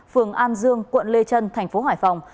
phường an dương quận lê trân tp hải phòng